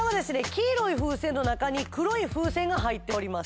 黄色い風船の中に黒い風船が入っております